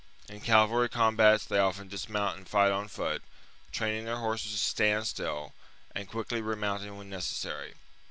In cavalry combats they often dismount and fight on foot, training their horses to stand still, and quickly remounting when necessary.